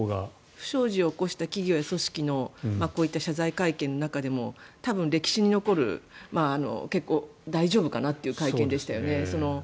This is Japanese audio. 不祥事を起こした企業や組織のこういった謝罪会見の中でも多分、歴史に残る結構、大丈夫かな？という会見でしたよね。